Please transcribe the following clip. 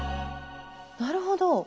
なるほど。